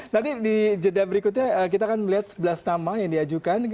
nanti di jeda berikutnya kita akan melihat sebelas nama yang diajukan